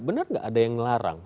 benar nggak ada yang ngelarang